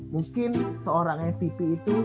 mungkin seorang mvp itu